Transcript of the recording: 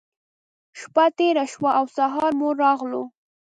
شپّه تېره شوه او سهار مو راغلو.